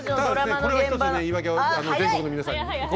これは１つ、言い訳をぜひ全国の皆さん